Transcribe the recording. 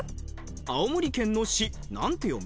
青森県の市なんて読む？